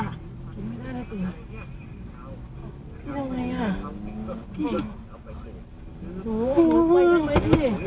กินเอาไว้อ่ะ